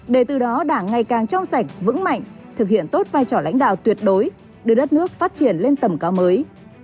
để từ đó đảng ngày càng trong sạch vững mạnh thực hiện tốt vai trò lãnh đạo tuyệt đối đưa đất nước phát triển lên tầm cao mới